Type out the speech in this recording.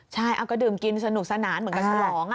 ใช่ก็ดื่มกินสนุกสนานเหมือนกับฉลอง